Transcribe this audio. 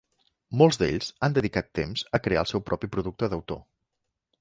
Molts d"ells han dedicat temps a crear el seu propi producte d"autor.